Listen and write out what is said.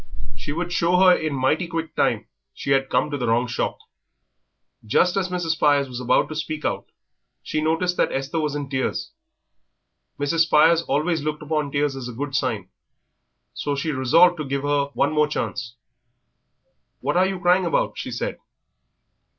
She would show her in mighty quick time she had come to the wrong shop. Just as Mrs. Spires was about to speak out she noticed that Esther was in tears. Mrs. Spires always looked upon tears as a good sign, so she resolved to give her one more chance. "What are you crying about?" she said.